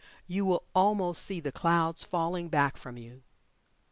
You will almost see the clouds falling back from you.